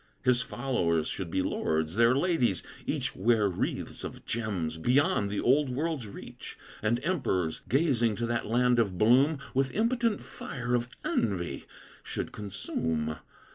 His followers should be lords; their ladies each Wear wreaths of gems beyond the old world's reach; And emperors, gazing to that land of bloom, With impotent fire of envy should consume.